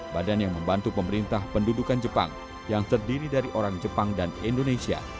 badan yang membantu pemerintah pendudukan jepang yang terdiri dari orang jepang dan indonesia